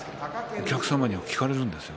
お客様にも聞かれるんですよ